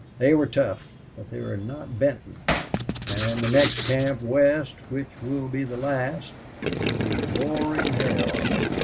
"They were tough. But they were not Benton. And the next camp west, which will be the last it will be Roaring Hell.